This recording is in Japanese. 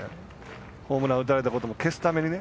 ホームラン打たれたことを消すためにね。